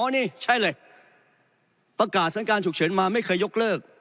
นี่ใช้เลยประกาศสถานการณ์ฉุกเฉินมาไม่เคยยกเลิก